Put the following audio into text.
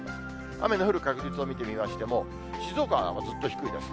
雨の降る確率を見てみましても、静岡はずっと低いですね。